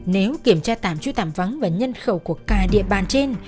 nếu kiểm tra tạm trú tạm vắng và nhân khẩu của cả địa bàn trên